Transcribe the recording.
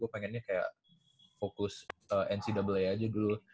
gua pengennya kayak fokus ncwa aja dulu